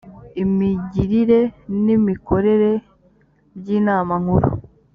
imigirire n’imikorere by’inama nkuru